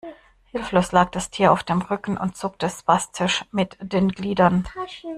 Hilflos lag das Tier auf dem Rücken und zuckte spastisch mit den Gliedern.